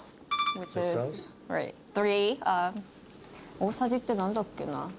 大さじってなんだっけな？